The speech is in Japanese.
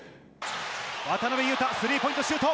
渡邊雄太、スリーポイントシュート。